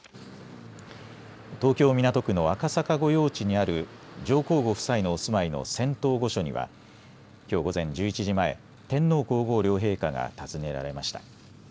東京港区の赤坂御用地にある上皇ご夫妻のお住まいの仙洞御所にはきょう午前１１時前、天皇皇后両陛下が訪ねられました。